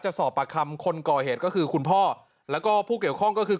สอบประคำคนก่อเหตุก็คือคุณพ่อแล้วก็ผู้เกี่ยวข้องก็คือ